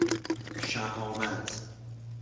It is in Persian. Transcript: شﮩامت